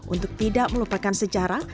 untuk tidak melupakan sejarah